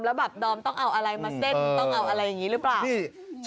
แล้วแบบดอมต้องเอาอะไรมาเสร็จ